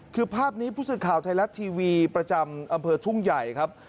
คือภาพนี้ผู้สื่อข่าวไทยรัฐทีวีประจำอำเภอทุ่งใหญ่ครับ